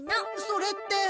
それって。